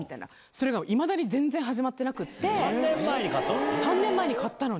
それがいまだに全然始まってなく３年前に買ったの？